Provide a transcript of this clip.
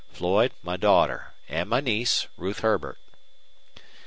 Floyd, my daughter and my niece, Ruth Herbert."